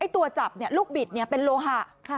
ตัวจับเนี่ยลูกบิดเนี่ยเป็นโลหะ